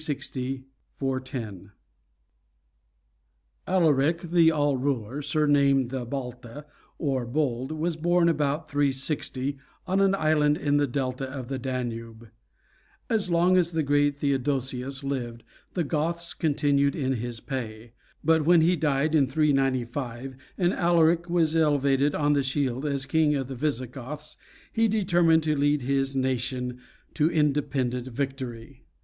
[TN]] Alaric, the "All ruler," surnamed the Baltha, or Bold, was born, about 360, on an island in the delta of the Danube. As long as the great Theodosius lived, the Goths continued in his pay; but when he died in 395, and Alaric was elevated on the shield as king of the Visigoths, he determined to lead his nation to independent victory.